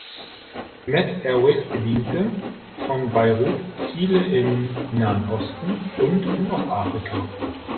Med Airways bediente von Beirut Ziele im Nahen Osten und in Ostafrika.